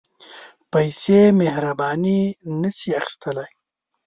پېسې مهرباني نه شي اخیستلای.